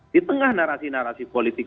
di tengah narasi narasi politik